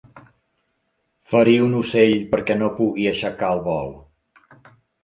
Ferir un ocell perquè no pugui aixecar el vol.